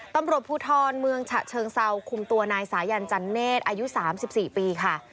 ตำรวจภูทรเมืองฉะเชิงเซาคุมตัวนายสายันจันเนธอายุ๓๔ปีค่ะ